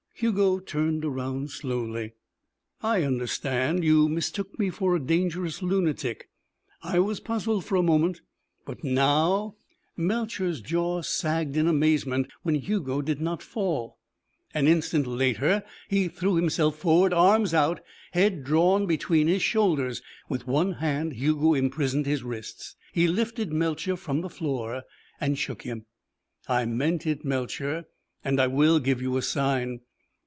Hugo turned around slowly. "I understand. You mistook me for a dangerous lunatic. I was puzzled for a moment. Now " Melcher's jaw sagged in amazement when Hugo did not fall. An instant later he threw himself forward, arms out, head drawn between his shoulders. With one hand Hugo imprisoned his wrists. He lifted Melcher from the floor and shook him. "I meant it, Melcher. And I will give you a sign.